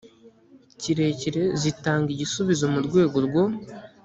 kirekire zitanga igisubizo mu rwego rwo